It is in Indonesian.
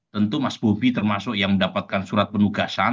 tentu mas bobi termasuk yang mendapatkan surat penugasan